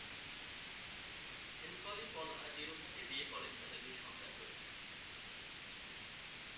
Hensley Paula ডিরোসাকে বিয়ে করেন; তাদের দুই সন্তান রয়েছে।